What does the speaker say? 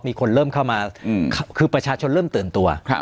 มีคนเริ่มเข้ามาคือประชาชนเริ่มตื่นตัว